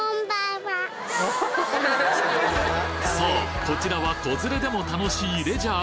そうこちらは子連れでも楽しいレジャー